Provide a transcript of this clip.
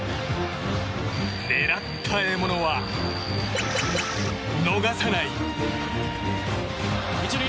狙った獲物は逃さない！